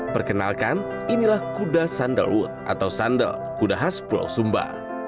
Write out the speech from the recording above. perkenalkan inilah kuda sandalwood atau sandal kuda khas pulau sumba